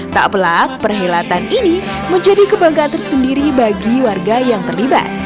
tak pelak perhelatan ini menjadi kebanggaan tersendiri bagi warga yang terlibat